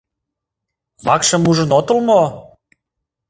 Вакшым ужын отыл мо?